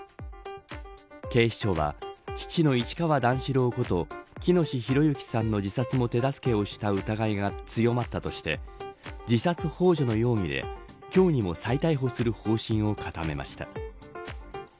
警視庁は、父の市川段四郎こと喜熨斗弘之さんの自殺の手助けをした疑いが強まったとして自殺ほう助の容疑で今日にも再逮捕する方針を固めました。